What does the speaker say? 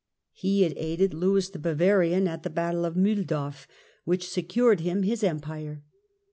He had aided Lewis the Bavarian at the Battle of Miihldorf, which secured him his Empire.